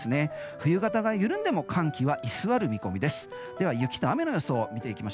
冬型が緩んでも寒気は居座る予想です。